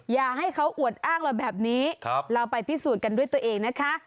อย่าให้เขาอวดอ้างเราแบบนี้เราไปพิสูจน์กันด้วยตัวเองนะคะ